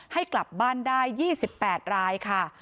ให้กลับบ้านได้๒๘รายค่ะ